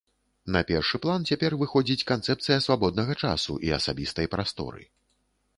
На першы план цяпер выходзіць канцэпцыя свабоднага часу і асабістай прасторы.